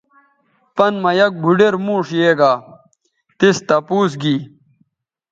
پَن مہ یک بُھوڈیر موݜ یے گا تِس تپوس گی